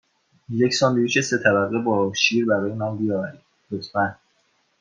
یک ساندویچ سه طبقه با شیر برای من بیاورید، لطفاً.